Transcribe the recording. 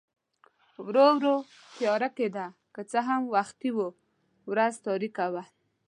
ورو ورو تیاره کېده، که څه هم وختي و، ورځ تاریکه وه.